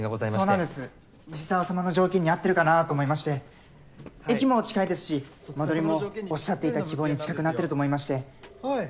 そうなんです西澤様の条件に合ってるかなと思いまして駅も近いですし間取りもおっしゃっていた希望に近くなってると思いましてはい。